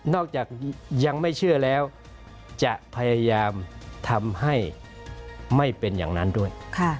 จากยังไม่เชื่อแล้วจะพยายามทำให้ไม่เป็นอย่างนั้นด้วย